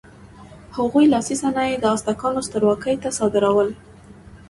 هغوی لاسي صنایع د ازتکانو سترواکۍ ته صادرول.